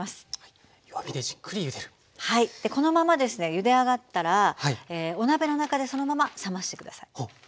ゆで上がったらお鍋の中でそのまま冷まして下さい。